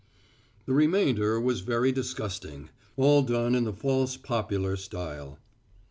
The remainder was very disgusting. All done in the false popular style.